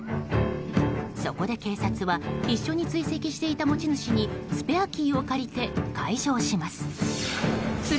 そこで警察は一緒に追跡していた持ち主にスペアキーを借りて開錠します。